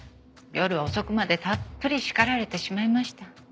夜遅くまでたっぷり叱られてしまいました。